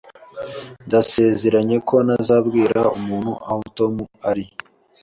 Ndasezeranye ko ntazabwira umuntu aho Tom ari.